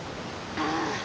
ああ！